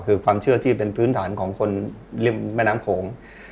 คือความเชื่อที่เป็นพื้นฐานของคนริมแม่น้ำโขง